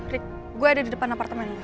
rick gue ada di depan apartemen lu